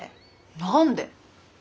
何で？